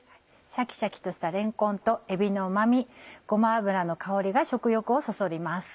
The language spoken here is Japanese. シャキシャキとしたれんこんとえびのうま味ごま油の香りが食欲をそそります。